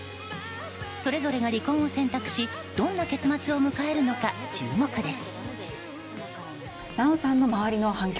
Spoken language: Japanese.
それぞれが離婚を選択しどんな結末を迎えるのか注目です。